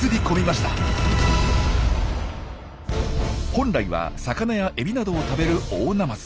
本来は魚やエビなどを食べるオオナマズ。